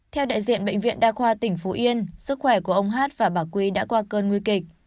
theo đại diện bệnh viện đa khoa tỉnh phú yên sức khỏe của ông hát và bà quy đã qua cơn nguy kịch